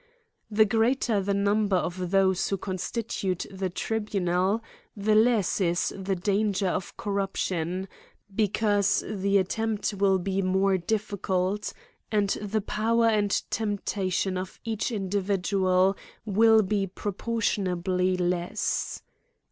The greater the number of those who constitute the tribunal, the less is the danger of corruption ; because the attempt will be more difficult, and the power and temptation of each individual will be proportionably less.